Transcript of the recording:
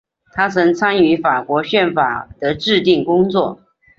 他曾参与法国宪法的制订工作。